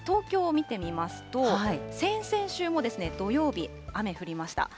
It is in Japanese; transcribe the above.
東京を見てみますと、先々週も土曜日、雨降りました。